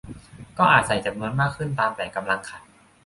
ก็อาจใส่จำนวนมากขึ้นตามแต่กำลังค่ะ